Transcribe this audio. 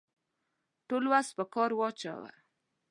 ټول وس په کار واچاوه.